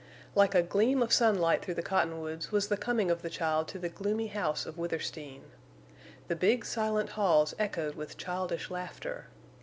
Like a gleam of sunlight through the cottonwoods was the coming of the child to the gloomy house of Withersteen. The big, silent halls echoed with childish laughter.